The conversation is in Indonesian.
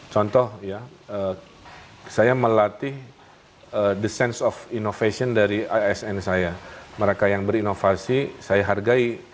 contoh ya saya melatih the sense of innovation dari asn saya mereka yang berinovasi saya hargai